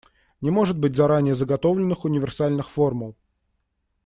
Не может быть заранее заготовленных универсальных формул.